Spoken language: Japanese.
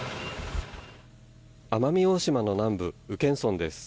奄美大島の南部宇検村です。